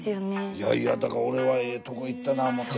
いやいやだから俺はええとこ行ったな思って。